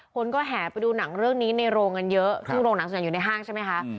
คนก็แห่ไปดูหนังเรื่องนี้ในโรงกันเยอะซึ่งโรงหนังส่วนใหญ่อยู่ในห้างใช่ไหมคะ